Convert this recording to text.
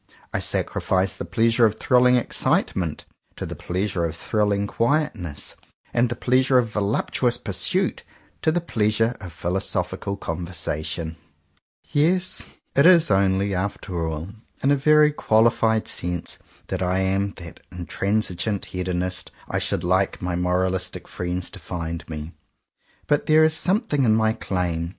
I sacrifice the pleasure of thrilling excitement to the pleasure of thrilling quietness, and the pleasure of voluptuous pursuit to the pleasure of philosophical conversation. Yes, it is only, after all, in a very qualified sense that I am that intransigeant Hedonist I should like my moralistic friends to find me. But there is something in my claim.